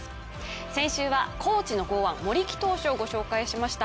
先週は高地の豪腕森木投手を御紹介しました。